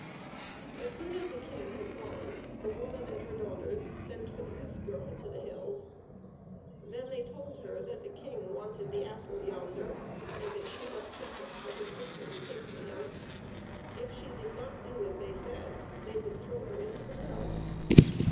As soon as the King had gone, the woman and her daughters sent for the goose girl to the hills. Then they told her that the King wanted the apple yonder, and that she must pluck it for her sister to take to him ; if she did not do as they said they would throw her. into the well.